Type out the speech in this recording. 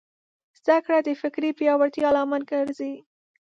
زدهکړه د فکري پیاوړتیا لامل ګرځي.